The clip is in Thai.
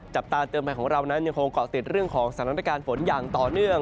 จับตาเตือนภัยของเรานั้นยังคงเกาะติดเรื่องของสถานการณ์ฝนอย่างต่อเนื่อง